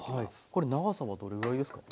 これ長さはどれぐらいですか？